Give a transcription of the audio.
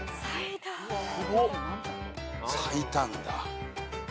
咲いたんだ。